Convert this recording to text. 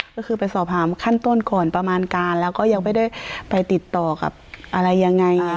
ก็คือไปสอบถามขั้นต้นก่อนประมาณการแล้วก็ยังไม่ได้ไปติดต่อกับอะไรยังไง